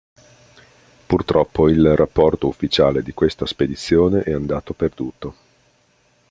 Purtroppo il rapporto ufficiale di questa spedizione è andato perduto.